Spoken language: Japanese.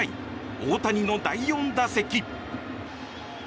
大谷の第４打席。